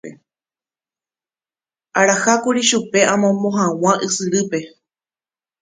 Araha kuri chupe amombo hag̃ua ysyrýpe.